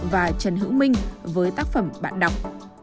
và trần hữu minh với tác phẩm bạn đọc